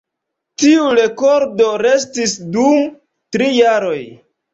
Tiu rekordo restis dum tri jaroj.